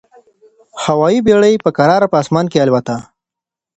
هوايي بېړۍ په کراره په اسمان کي البوته.